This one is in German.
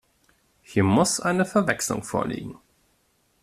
Hier muss eine Verwechslung vorliegen.